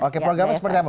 oke programnya seperti apa